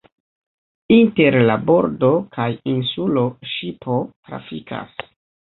Inter la bordo kaj insulo ŝipo trafikas.